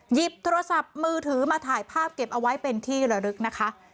หยิบโทรศัพท์มือถือมาถ่ายภาพเก็บเอาไว้เป็นที่ระลึกนะคะ